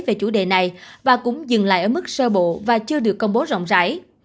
về chủ đề này và cũng dừng lại ở mức sơ bộ và chưa được công bố rộng rãi